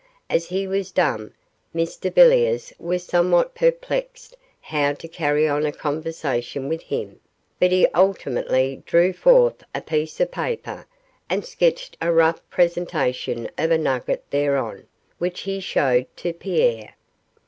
As he was dumb, Mr Villiers was somewhat perplexed how to carry on a conversation with him, but he ultimately drew forth a piece of paper, and sketched a rough presentation of a nugget thereon, which he showed to Pierre.